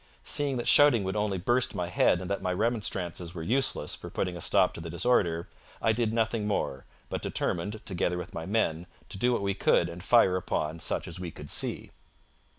Seeing that shouting would only burst my head and that my remonstrances were useless for putting a stop to the disorder, I did nothing more, but determined, together with my men, to do what we could and fire upon such as we could see.'